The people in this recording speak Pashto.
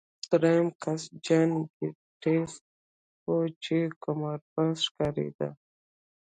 درېیم کس جان ګیټس و چې قمارباز ښکارېده